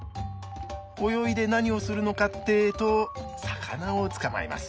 泳いで何をするのかってと魚を捕まえます。